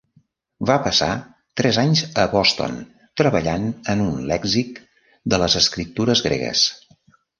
Va passar tres anys a Boston treballant en un lèxic de les escriptures gregues.